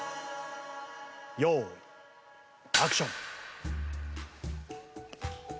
用意アクション。